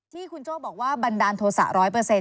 ที่คุณโจ้บอกว่าบันดาลโทษะร้อยเปอร์เซ็นต์